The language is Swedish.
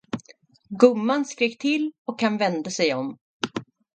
Gumman skrek till, och han vände sig om.